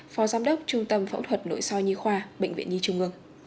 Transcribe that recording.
phó giám đốc trung tâm phẫu thuật nội soi nhi khoa bệnh viện nhi trung ương